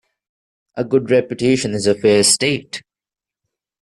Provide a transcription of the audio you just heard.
A good reputation is a fair estate.